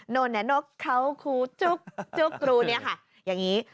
นกเขาครูจุ๊กจุ๊กกรูเนี่ยค่ะอย่างนี้